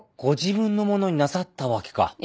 ご自分のものになさったわけか。